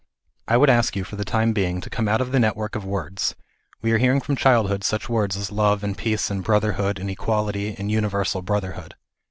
I would ask you for the time being to come out of the net work of words ; we are hearing from childhood such words as love and peace and brotherhood and equality and uni versal brotherhood.